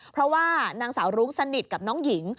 เพราะว่านางสาวรุ้งสนิทกับน้องหญิง